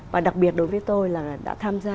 và đặc biệt đối với tôi là đã tham gia